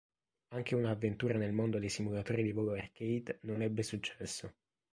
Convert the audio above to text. Anche una avventura nel mondo dei simulatori di volo arcade non ebbe successo.